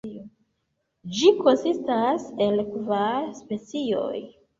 Ĝi konsistas el kvar specioj.